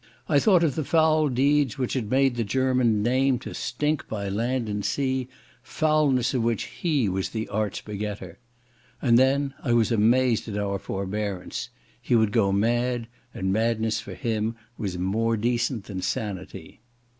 I thought of the foul deeds which had made the German name to stink by land and sea, foulness of which he was the arch begetter. And then I was amazed at our forbearance. He would go mad, and madness for him was more decent than sanity.